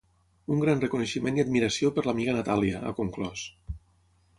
Un gran reconeixement i admiració per l’amiga Natàlia, ha conclòs.